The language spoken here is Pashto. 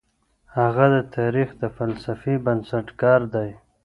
هغه د تاريخ د فلسفې بنسټګر دی.